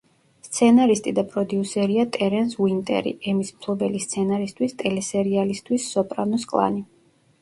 სცენარისტი და პროდიუსერია ტერენს უინტერი, „ემის“ მფლობელი სცენარისთვის ტელესერიალისთვის „სოპრანოს კლანი“.